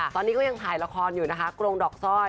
ตอนนี้ก็ยังถ่ายละครอยู่นะคะกรงดอกสร้อย